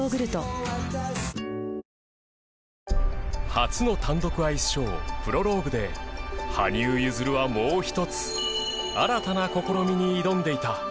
初の単独アイスショー『プロローグ』で羽生結弦はもう一つ新たな試みに挑んでいた。